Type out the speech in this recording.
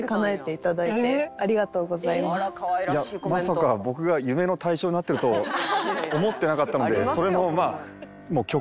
いやまさか僕が夢の対象になってるとは思ってなかったので。